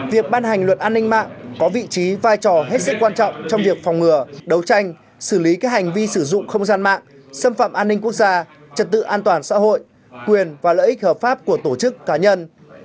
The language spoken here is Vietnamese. việc ban hành luật an ninh mạng có vị trí vai trò hết sức quan trọng trong việc phòng ngừa đấu tranh xử lý các hành vi sử dụng không gian mạng xâm phạm an ninh quốc gia trật tự an toàn xã hội quyền và lợi ích hợp pháp của tổ chức cá nhân